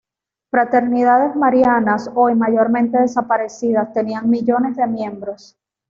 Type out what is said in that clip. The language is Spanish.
Fraternidades marianas, hoy mayormente desaparecidas, tenían millones de miembros.